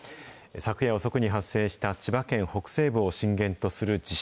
昨夜遅くに発生した、千葉県北西部を震源とする地震。